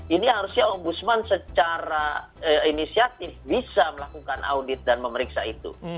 ini harusnya ombudsman secara inisiatif bisa melakukan audit dan memeriksa itu